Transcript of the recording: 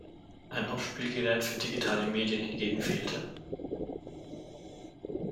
Ein Abspielgerät für digitale Medien hingegen fehlte.